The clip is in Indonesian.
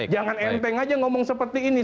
jangan enteng aja ngomong seperti ini